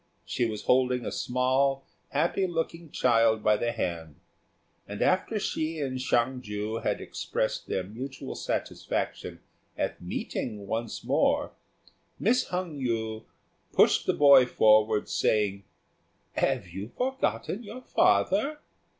She was leading a small, happy looking child by the hand; and after she and Hsiang ju had expressed their mutual satisfaction at meeting once more, Miss Hung yü pushed the boy forward, saying, "Have you forgotten your father?"